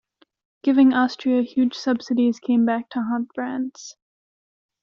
Giving Austria huge subsidies came back to haunt France.